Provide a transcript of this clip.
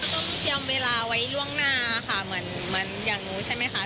ต้องเตรียมเวลาไว้กันระดับหน้าค่ะเหมือนอย่างหนูใช่ไหมคะ